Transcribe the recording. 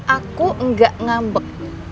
aku enggak ngambek